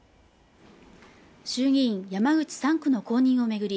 衆議院山口３区の公認を巡り